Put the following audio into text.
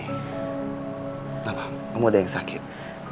kenapa kamu ada yang sakit